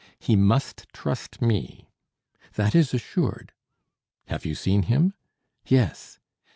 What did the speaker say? "He must trust me." "That is assured." "Have you seen him?" "Yes."